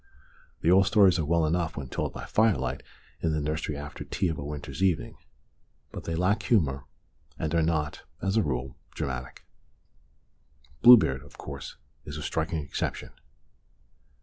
The old stories are well enough when told by firelight in the nursery after tea of a winter's evening. But they lack humour, and are not, as a rule, dramatic. (" Bluebeard," of course, is a striking exception.)